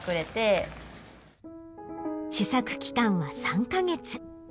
試作期間は３カ月。